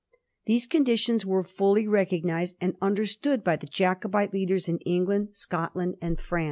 These con ditions were fully recognised and understood by the Jacobite leaders in England, Scotland, and France.